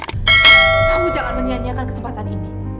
kamu jangan menyanyikan kesempatan ini